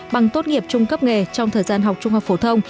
bằng tốt nghiệp trung cấp nghề trong thời gian học trung học phổ thông